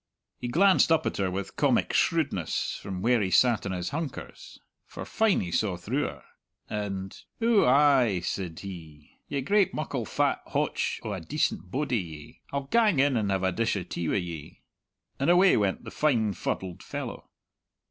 He glanced up at her with comic shrewdness from where he sat on his hunkers for fine he saw through her and "Ou ay," said he, "ye great muckle fat hotch o' a dacent bodie, ye I'll gang in and have a dish o' tea wi' ye." And away went the fine fuddled fellow.